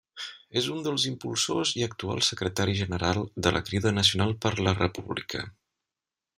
És un dels impulsors i actual Secretari General de la Crida Nacional per la República.